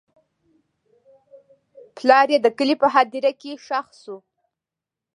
پلار یې د کلي په هدیره کې ښخ شو.